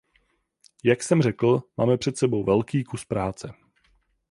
Jak jsem řekl, máme před sebou velký kus práce.